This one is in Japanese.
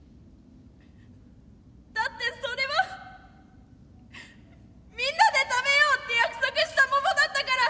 だってそれはみんなで食べようって約束した桃だったから。